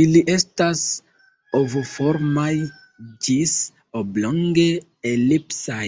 Ili estas ovoformaj ĝis oblonge-elipsaj.